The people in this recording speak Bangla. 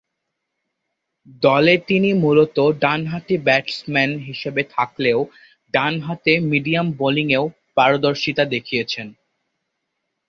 দলে তিনি মূলতঃ ডানহাতি ব্যাটসম্যান হিসেবে থাকলেও ডানহাতে মিডিয়াম বোলিংয়েও পারদর্শিতা দেখিয়েছেন।